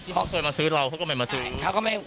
เขาเคยมาซื้อเราเขาก็ไม่มาซื้อ